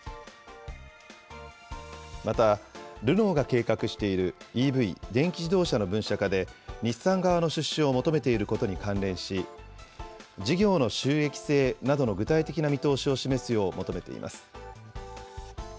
またルノーが計画しているＥＶ・電気自動車の分社化で、日産側の出資を求めていることに関連し、事業の収益性などの具体的な見通しを示すよう求めています。